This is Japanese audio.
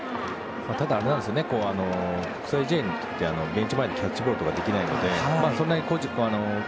国際試合ではベンチ前でキャッチボールとかできないので。